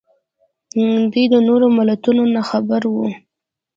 دوی د نورو ملتونو نه خبر وو